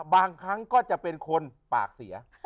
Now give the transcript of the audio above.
บางครั้งก็จะเป็นคนปากเสีย